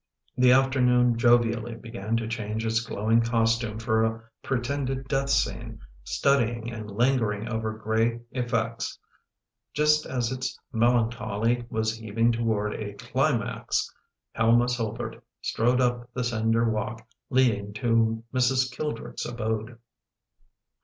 The afternoon jovially began to change its glowing costume for a pre tended death scene, studying and lingering over gray effects. Just as its melancholy was heaving toward a climax Helma Solbert strode up the cinder walk leading to Mrs. Kildrick's abode.